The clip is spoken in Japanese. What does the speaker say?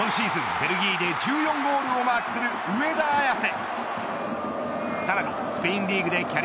ベルギーで１４ゴールをマークする上田綺世。